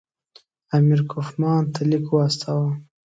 امیر کوفمان ته لیک واستاوه.